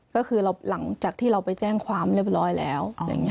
ก็คือหลังจากที่เราไปแจ้งความเรียบร้อยแล้ว